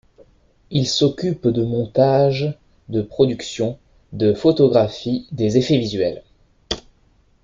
Il s'occupe de montage, de production, de photographie, des effets visuels...